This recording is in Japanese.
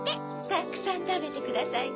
たくさんたべてくださいね。